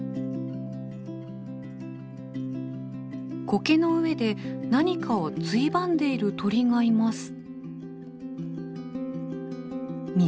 コケの上で何かをついばんでいる鳥がいます。